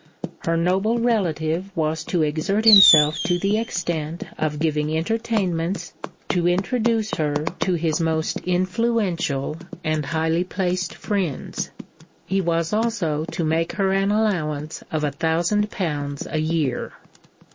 Her noble relative was to exert himself to the extent of giving entertainments to introduce her to his most influential and highly placed friends. He was also to make her an allowance of a thousand pounds a year.